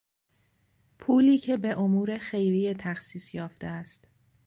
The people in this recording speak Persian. پولی که به امور خیریه تخصیص یافته است